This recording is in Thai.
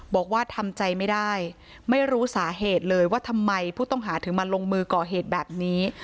บอกว่าทำใจไม่ได้ไม่รู้สาเหตุเลยว่าทำไมผู้ต้องหาถึงมาลงมือก่อเหตุแบบนี้